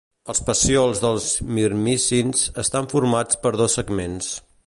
Els pecíols dels mirmicins estan formats per dos segments.